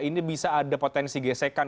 ini bisa ada potensi gesekan